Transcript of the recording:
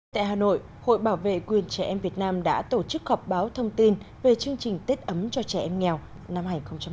tại hà nội hội bảo vệ quyền trẻ em việt nam đã tổ chức họp báo thông tin về chương trình tết ấm cho trẻ em nghèo năm hai nghìn hai mươi